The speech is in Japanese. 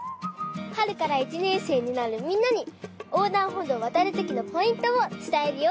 はるから１ねんせいになるみんなにおうだんほどうをわたるときのポイントをつたえるよ！